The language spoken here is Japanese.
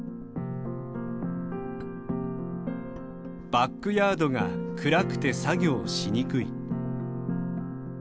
「バックヤードが暗くて作業しにくい」。